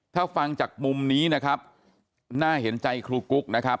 ถ้าฟังจากมุมนี้นะครับน่าเห็นใจครูกุ๊กนะครับ